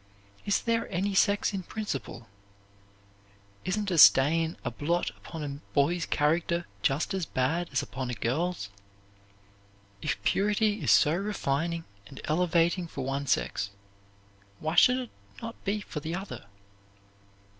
Is there any sex in principle? Isn't a stain a blot upon a boy's character just as bad as upon a girl's? If purity is so refining and elevating for one sex, why should it not be for the other?